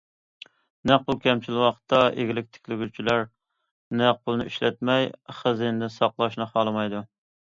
نەق پۇل كەمچىل ۋاقىتتا ئىگىلىك تىكلىگۈچىلەر نەق پۇلنى ئىشلەتمەي خەزىنىدە ساقلاشنى خالىمايدۇ.